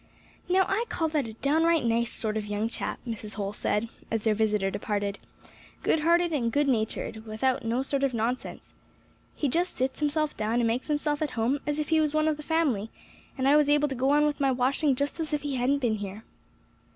"Now I call that a downright nice sort of young chap," Mrs. Holl said, as their visitor departed, "good hearted and good natured, without no sort of nonsense. He just sits himself down and makes himself at home as if he was one of the family, and I was able to go on with my washing just as if he hadn't been here."